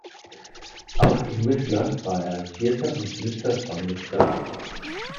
Auch in Whistler war er als Vierter und Fünfter vorn mit dabei.